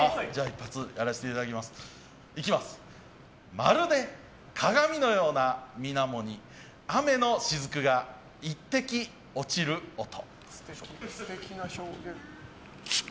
まるで鏡のような水面に雨のしずくが１滴落ちる音。